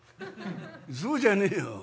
「そうじゃねえよ。